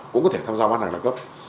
cũng có thể tham gia bán hàng đa cấp